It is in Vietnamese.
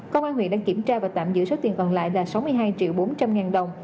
công an huyện đang kiểm tra và tạm giữ số tiền còn lại là sáu mươi hai triệu bốn trăm linh ngàn đồng